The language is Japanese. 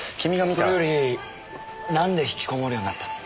それよりなんで引きこもるようになったの？